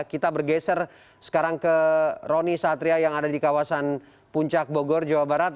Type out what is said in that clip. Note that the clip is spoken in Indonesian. kita bergeser sekarang ke roni satria yang ada di kawasan puncak bogor jawa barat